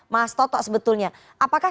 mas toto sebetulnya apakah